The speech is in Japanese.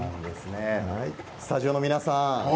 スタジオの皆さん